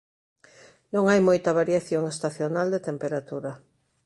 Non hai moita variación estacional de temperatura.